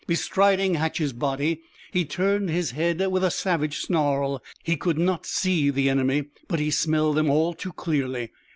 Bestriding Hatch's body, he turned his head with a savage snarl. He could not see the enemy, but he smelled them all too clearly.